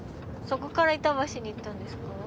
こから板橋に行ったんですか？